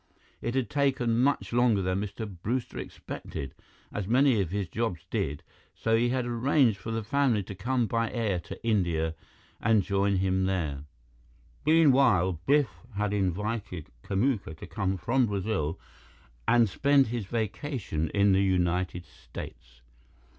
It had taken much longer than Mr. Brewster expected as many of his jobs did so he had arranged for the family to come by air to India and join him there. Meanwhile, Biff had invited Kamuka to come from Brazil and spend his vacation in the United States.